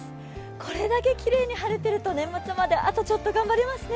これだけきれいに晴れてると、年末まで、あとちょっと、頑張れますね。